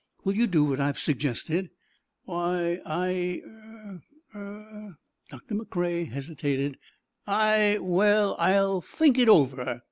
"Will you do what I've suggested?" "Why, I—er—er—" Doctor McCrea hesitated. "I—well, I'll think it over."